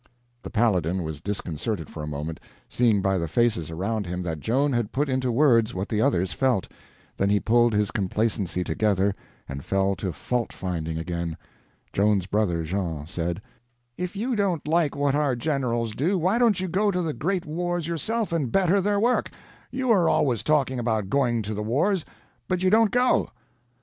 The Paladin was disconcerted for a moment, seeing by the faces around him that Joan had put into words what the others felt, then he pulled his complacency together and fell to fault finding again. Joan's brother Jean said: "If you don't like what our generals do, why don't you go to the great wars yourself and better their work? You are always talking about going to the wars, but you don't go."